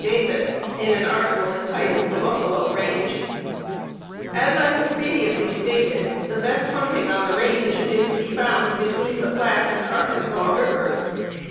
Davis, in an article entitled "The Buffalo Range:" "As I have previously stated, the best hunting on the range is to be found between the Platte and Arkansas Rivers.